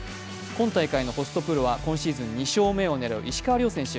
今大会のホストプロは今シーズン２勝目を挙げる石川遼選手。